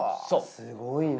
すごいね。